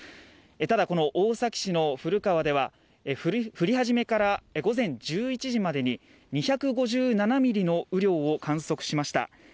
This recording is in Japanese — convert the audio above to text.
ただ、この大崎市の古川では降り始めから午前１１時までに２５７ｍｍの雨量を観測しました。